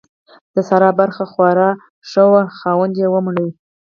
د سارا برخه خواره شوه؛ خاوند يې ومړ.